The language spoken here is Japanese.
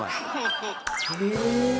へえ。